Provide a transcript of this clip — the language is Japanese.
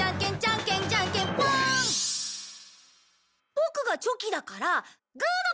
ボクがチョキだからグーの勝ち！